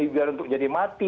bukan untuk jadi mati